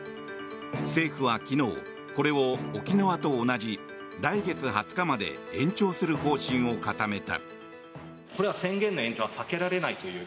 政府は昨日、これを沖縄と同じ来月２０日まで延長する方針を固めた。